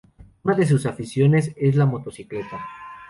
Una de sus aficiones es la motocicleta.